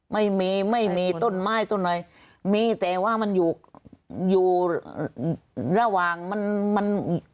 ไม่มีไม่มีต้นไม้ต้นอะไรมีแต่ว่ามันอยู่อยู่ระหว่างมันมัน